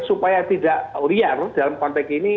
supaya tidak liar dalam konteks ini